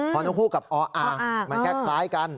พอต้องคู่กับออมันแค่คล้ายกัน